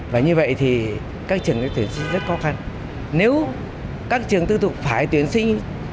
và như vậy thì các trường tuyển sinh rất khó khăn nếu các trường tư thục phải tuyển sinh